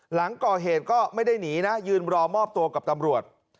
หลังก่อเหตุก็ไม่ได้หนีนะยืนรอมอบตัวกับตำรวจ